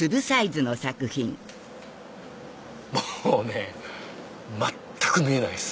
もうね全く見えないです。